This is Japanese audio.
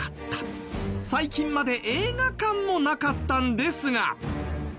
最近まで映画館もなかったんですが。